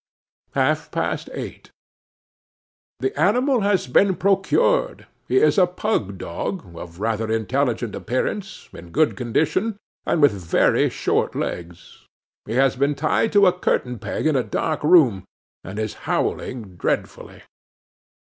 'Half past eight. 'THE animal has been procured. He is a pug dog, of rather intelligent appearance, in good condition, and with very short legs. He has been tied to a curtain peg in a dark room, and is howling dreadfully.